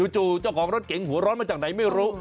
จู่เจ้าของรถเก๋งหัวร้อนมาจากไหนไม่รู้